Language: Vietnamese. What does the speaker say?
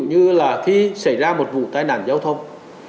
ví dụ như là khi xảy ra một vụ tai nạn giao thông